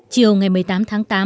chiều ngày một mươi tám tháng tám